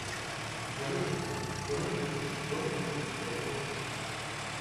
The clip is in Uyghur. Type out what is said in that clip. بۇنى بېسىپ بۇنى بېسىپ بۇنى بېسىپ بەيدۇدىن.